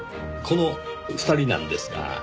この２人なんですが。